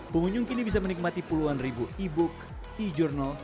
pengunjung kini bisa menikmati puluhan ribu e book e journal